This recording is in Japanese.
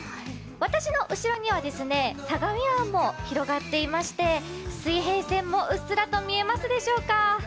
私の後ろには相模湾も広がっていまして水平線もうっすらと見えますでしょうか？